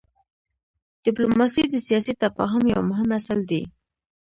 ډيپلوماسي د سیاسي تفاهم یو مهم اصل دی.